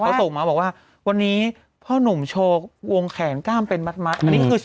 เขาส่งมาบอกว่าวันนี้พ่อหนุ่มโชว์วงแขนกล้ามเป็นมัด